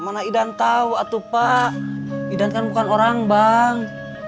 mana idan tahu atau pak idan bukan orang bang